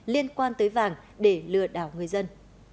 liên quan tới vàng để lừa đảo người dân